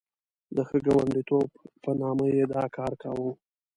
د ښه ګاونډیتوب په نامه یې دا کار کاوه.